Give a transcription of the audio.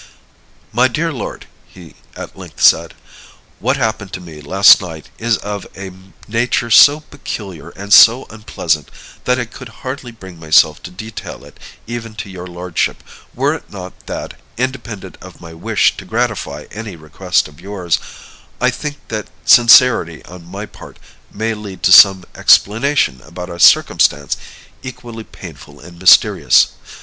"My dear lord," he at length said, "what happened to me last night is of a nature so peculiar and so unpleasant, that I could hardly bring myself to detail it even to your lordship, were it not that, independent of my wish to gratify any request of yours, I think that sincerity on my part may lead to some explanation about a circumstance equally painful and mysterious.